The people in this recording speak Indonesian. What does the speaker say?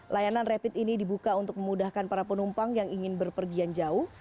layanan rapid ini dibuka untuk memudahkan para penumpang yang ingin berpergian jauh